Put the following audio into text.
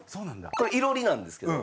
これ囲炉裏なんですけど。